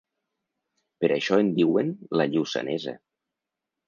Per això en diuen ‘la Lluçanesa’.